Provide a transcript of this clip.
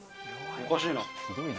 おかしいな。